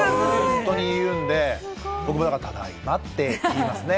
本当に言うんで、僕はただいまって言いますね。